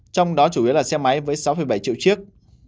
trong đó chủ yếu là xe máy với sáu bảy triệu chiếc